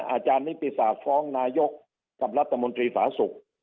อาจารย์นิติศาสตร์ฟ้องนายกกับรัฐมนตรีสาธารณสุข